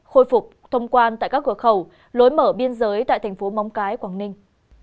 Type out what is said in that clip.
khôi phục thông quan tại các cửa khẩu lối mở biên giới tại thành phố móng cái quảng ninh